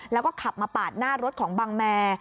แล้วก็ขับมาปาดหน้ารถของบังแม